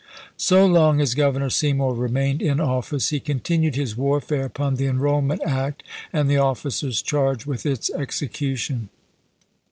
So long as Governor Seymour remained in of fice he continued his warfare upon the enrollment act and the officers charged with its execution.